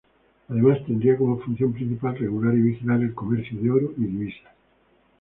Además tendría como función principal regular y vigilar el comercio de oro y divisas.